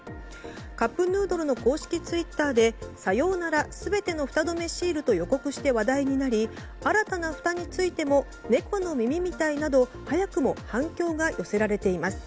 カップヌードルの公式ツイッターで「さようなら、全てのフタ止めシール。」と予告して話題となり新たなふたについても猫の耳みたいなどと早くも反響が寄せられています。